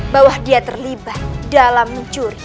bahwa dia terlibat dalam mencuri